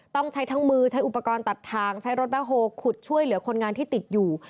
ต้องใช้ทั้งมือใช้อุปกรณ์ตัดทางใช้รถแคคโฮลขุดช่วยเหลือคนงานที่ติดอยู่